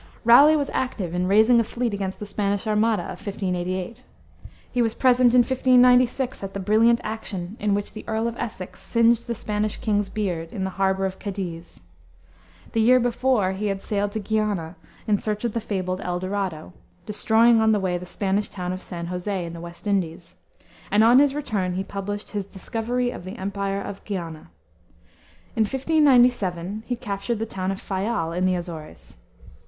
Raleigh was active in raising a fleet against the Spanish Armada of 1588. He was present in 1596 at the brilliant action in which the Earl of Essex "singed the Spanish king's beard," in the harbor of Cadiz. The year before he had sailed to Guiana, in search of the fabled El Dorado, destroying on the way the Spanish town of San José, in the West Indies; and on his return he published his Discovery of the Empire of Guiana. In 1597 he captured the town of Fayal, in the Azores.